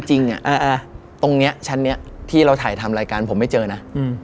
จริงตรงนี้ชั้นนี้ที่เราถ่ายทำรายการผมไม่เจอนะ